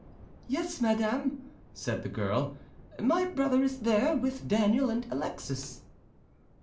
"Yes, madam," said the girl; "my brother is there, with Daniel and Alexis."